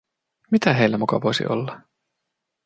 Mitä heillä muka voisi olla?